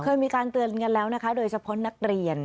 เคยมีการเตือนกันแล้วนะคะโดยเฉพาะนักเรียน